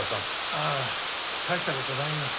ああ大した事ないよ。